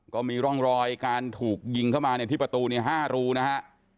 ก็มีร่องรอยการถูกยิงเข้ามาที่ประตู๕รูนะฮะ